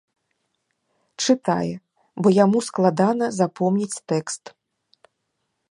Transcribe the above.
Чытае, бо яму складана запомніць тэкст.